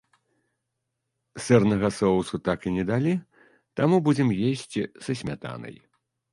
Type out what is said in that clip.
Сырнага соусу так і не далі, таму будзем есці са смятанай.